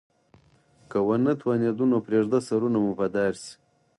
که ونه توانیدو نو پریږده سرونه مو په دار شي.